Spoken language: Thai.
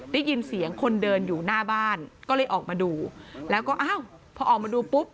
ได้ยินเสียงคนเดินอยู่หน้าบ้านก็เลยออกมาดูแล้วก็อ้าวพอออกมาดูปุ๊บ